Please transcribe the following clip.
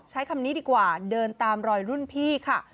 ใช้คำนี้ดีกว่าเดินตามรอยรุ่นพี่ค่ะ